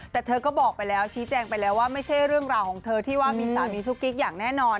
แต่เธอก็บอกไปแล้วชี้แจงไปแล้วว่าไม่ใช่เรื่องราวของเธอที่ว่ามีสามีซุกกิ๊กอย่างแน่นอน